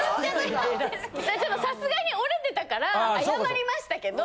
さすがに折れてたから謝りましたけど。